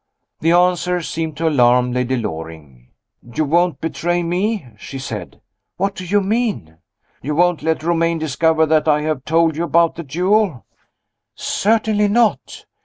The answer seemed to alarm Lady Loring. "You won't betray me?" she said. "What do you mean?" "You won't let Romayne discover that I have told you about the duel?" "Certainly not.